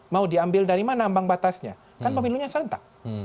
mau diambil dari mana ambang batasnya kan pemilunya serentak